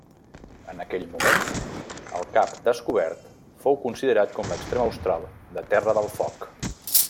En aquell moment, el cap descobert fou considerat com l'extrem austral de Terra del Foc.